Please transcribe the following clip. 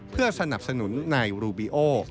เพื่อสนับสนุนนายรูบิโอ